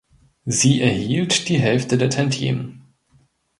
Sie erhielt die Hälfte der Tantiemen.